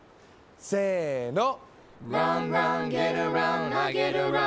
せの。